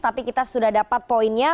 tapi kita sudah dapat poinnya